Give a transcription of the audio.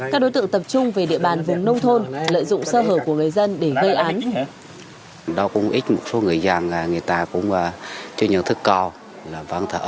các đối tượng tập trung về địa bàn vùng nông thôn lợi dụng sơ hở của người dân để gây án